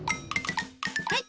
はい！